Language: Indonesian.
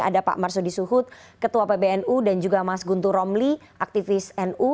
ada pak marsudi suhut ketua pbnu dan juga mas guntur romli aktivis nu